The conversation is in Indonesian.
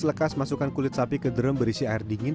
selekas masukkan kulit sapi ke drem berisi air dingin